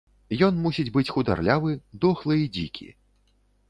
Ён мусіць быць хударлявы, дохлы і дзікі.